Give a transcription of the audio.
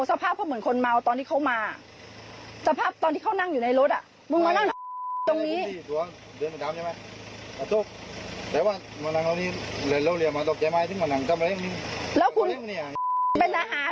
สภาพก็เหมือนคนเมาตอนที่เขามาสภาพตอนที่เขานั่งอยู่ในรถอ่ะ